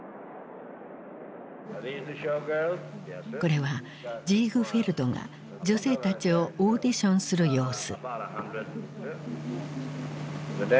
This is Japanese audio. これはジーグフェルドが女性たちをオーディションする様子。